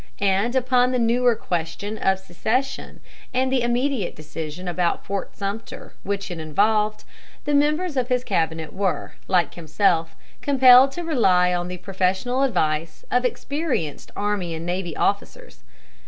And upon the newer question of secession, and the immediate decision about Fort Sumter which it involved, the members of his cabinet were, like himself, compelled to rely on the professional advice of experienced army and navy officers.